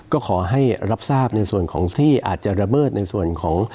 ก็ขอให้รับทราบในส่วนของที่อาจจะระเบิดในส่วนของ